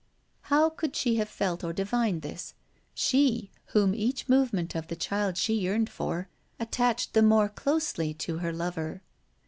How could she have felt or divined this she whom each movement of the child she yearned for attached the more closely to her lover?